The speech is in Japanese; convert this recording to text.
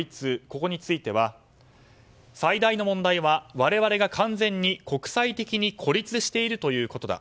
これについては最大の問題は我々が完全に国際的に孤立しているということだ。